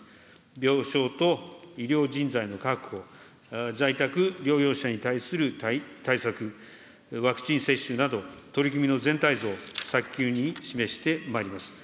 病床と医療人材の確保、在宅療養者に対する対策、ワクチン接種など、取り組みの全体像を早急に示してまいります。